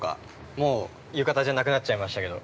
もう浴衣じゃなくなっちゃいましたけど。